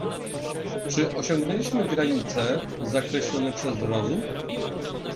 "Czy osiągnęliśmy granice, zakreślone przez rozum?"